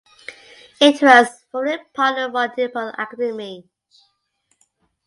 It was formerly part of Royal Nepal Academy.